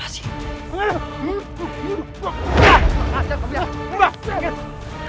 makasih ya kak buya